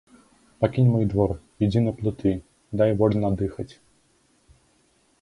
Пакінь мой двор, ідзі на плыты, дай вольна дыхаць.